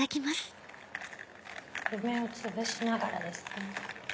梅をつぶしながらですね。